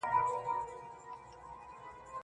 چي په لاسونو كي رڼا وړي څوك.